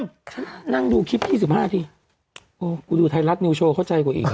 ฉันนั่งดูคลิป๒๕นาทีกูดูไทยรัฐนิวโชว์เข้าใจกว่าอีกอ่ะ